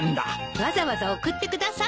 わざわざ送ってくださったのね。